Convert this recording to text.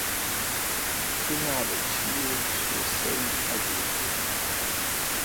ina da ciwo sosai a kirji na